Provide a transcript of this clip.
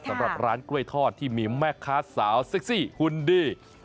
สำหรับร้านกล้วยทอดที่มีแม่ค้าสาวเซ็กซี่หุ่นดี